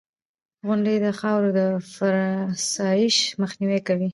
• غونډۍ د خاورو د فرسایش مخنیوی کوي.